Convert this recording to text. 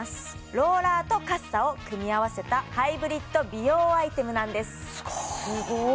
ローラーとカッサを組み合わせたハイブリッド美容アイテムなんですすごい！